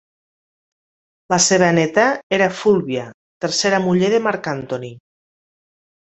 La seva néta era Fulvia, tercera muller de Mark Antony.